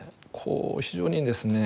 非常にですね